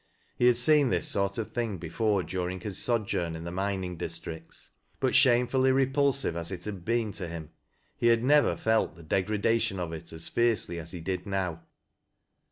He had seen this sort of thing before during his sojourn in the mining districts. But, shamefully repulsive as it had been to him, he had never felt the degradation of it as fiercely as he did now.